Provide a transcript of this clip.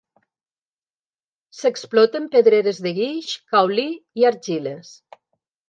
S'exploten pedreres de guix, caolí i argiles.